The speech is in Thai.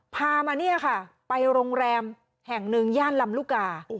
พามาเนี่ยค่ะไปโรงแรมแห่งหนึ่งย่านลำลูกกา